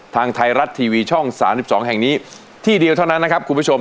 ทางไทยรัฐทีวีช่อง๓๒แห่งนี้ที่เดียวเท่านั้นนะครับคุณผู้ชม